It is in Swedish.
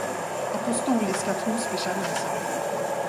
Apostoliska Trosbekännelsen